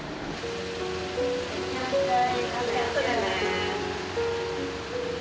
いってらっしゃい。